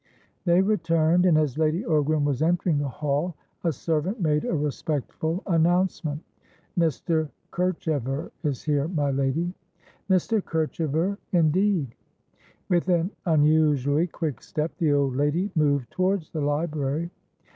They returned, and as Lady Ogram was entering the hall, a servant made a respectful announcement. "Mr. Kerchever is here, my lady." "Mr. Kerchever? Indeed?" With an unusually quick step, the old lady moved towards the library.